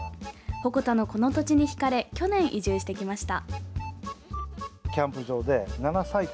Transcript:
鉾田のこの土地にひかれ去年、移住してきました。